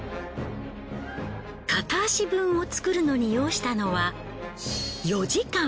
片足分を作るのに要したのは４時間。